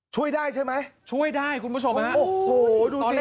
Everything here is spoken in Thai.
ช่วยได้ใช่ไหมช่วยได้คุณผู้ชมฮะโอ้โหดูสิ